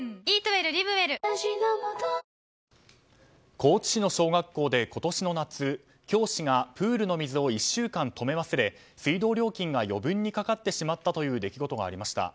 高知市の小学校で今年の夏教師がプールの水を１週間、止め忘れ水道料金が余分にかかってしまったという出来事がありました。